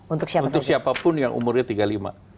untuk siapa pun yang umurnya tiga puluh lima